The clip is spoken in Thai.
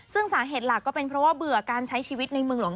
ซึ่งสาเหตุหลักก็เป็นเพราะว่าเบื่อการใช้ชีวิตในเมืองหลวง